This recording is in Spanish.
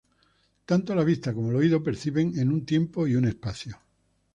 Tanto la vista como el oído perciben en un tiempo y un espacio.